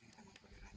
gak mau ah